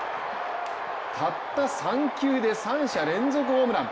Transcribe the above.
３球で３者連続ホームラン。